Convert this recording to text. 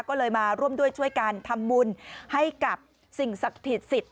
ก็เลยมาร่วมด้วยช่วยกันทำบุญให้กับสิ่งศักดิ์สิทธิ์